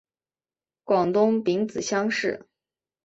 广东丙子乡试。